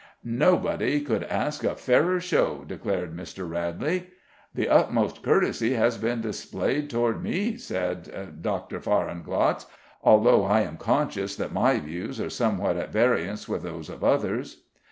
"Nobody could ask a fairer show," declared Mr. Radley. "The utmost courtesy has been displayed toward me," said Dr. Fahrenglotz, "although I am conscious my views are somewhat at variance with those of others."